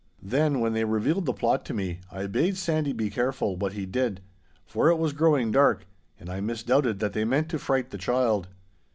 Then, when they revealed the plot to me, I bade Sandy be careful what he did, for it was growing dark, and I misdoubted that they meant to fright the child.